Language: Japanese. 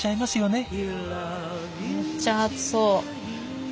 めっちゃ熱そう。